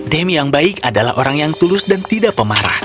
dame yang baik adalah orang yang tulus dan tidak pemarah